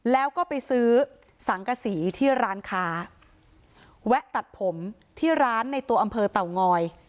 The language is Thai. แล้วก็ไปซื้อสังกษีที่ร้านค้าแวะตัดผมที่ร้านในตัวอำเภอเต่างอย